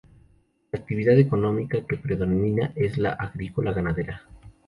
La actividad económica que predomina es la agrícola-ganadera.